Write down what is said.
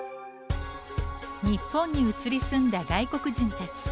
日本に移り住んだ外国人たち。